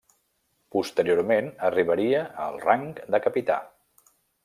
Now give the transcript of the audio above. Posteriorment arribaria al rang de Capità.